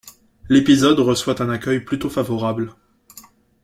L'épisode reçoit un accueil plutôt favorable.